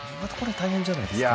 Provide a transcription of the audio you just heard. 大変じゃないですか。